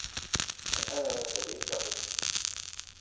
هل أنا صديقتك ؟